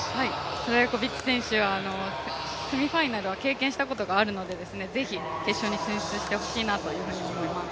トラヤコビッチ選手はセミファイナルを経験したことがあるので是非、決勝に進出してほしいなと思います。